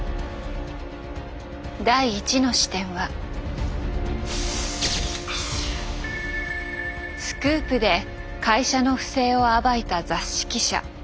第１の視点はスクープで会社の不正を暴いた雑誌記者